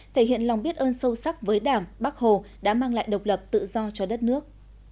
thể hiện lòng biết ơn sâu sắc với đảng bắc hồ đã mang lại độc lập tự do cho đất nước